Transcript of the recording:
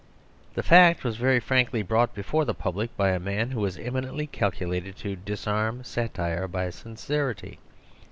The fact was very frankly brought before the pub lic, by a man who was eminently calculated to disarm satire by sincerity.